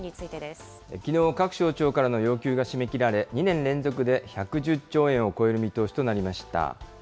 きのう、各省庁からの要求が締め切られ、２年連続で１１０兆円を超える見通しとなりました。